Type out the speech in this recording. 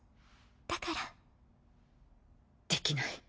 だから。できない。